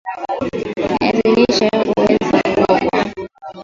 viazi lishe huweza kuokwa